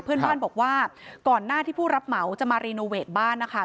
เพื่อนบ้านบอกว่าก่อนหน้าที่ผู้รับเหมาจะมารีโนเวทบ้านนะคะ